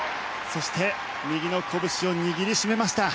そして右のこぶしを握り締めました。